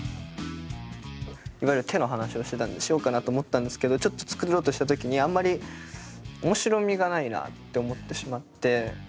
いわゆる手の話をしてたんでしようかなと思ったんですけどちょっと作ろうとした時にあんまり面白みがないなって思ってしまって。